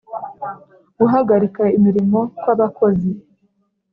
Guhagarika imirimo kw abakozi